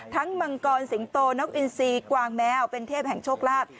มังกรสิงโตนกอินซีกวางแมวเป็นเทพแห่งโชคลาภ